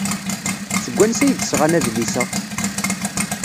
Seg wansi ay d-sɣan adlis-a?